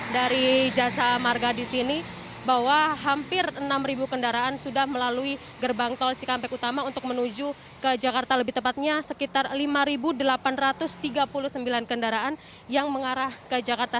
dari jasa marga di sini bahwa hampir enam kendaraan sudah melalui gerbang tol cikampek utama untuk menuju ke jakarta lebih tepatnya sekitar lima delapan ratus tiga puluh sembilan kendaraan yang mengarah ke jakarta